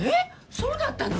そうだったの？